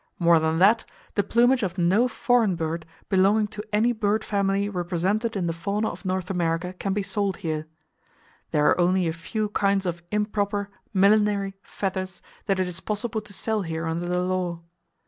More than that, the plumage of no foreign bird belonging to any bird family represented in the fauna of North America can be sold here! There are only a few kinds of improper "millinery" feathers that it is possible to sell here under the law.